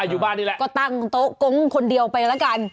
อยู่บ้านนี่แหละก็ตั้งโต๊ะกงคนเดียวไปแล้วกัน